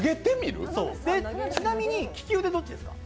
ちなみに利き腕はどっちですか。